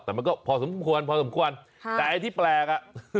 แต่มันก็พอสมควรแต่ไอ้ที่แปลกอ่ะ